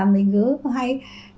mình cứ hay